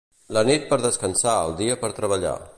La nit per descansar, el dia per treballar.